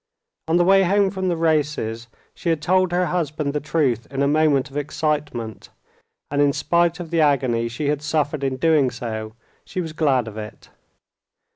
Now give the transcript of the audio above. On the way home from the races she had told her husband the truth in a moment of excitement, and in spite of the agony she had suffered in doing so, she was glad of it.